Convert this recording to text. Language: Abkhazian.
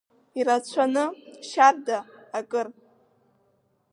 Ирацәаны, шьарда, акыр.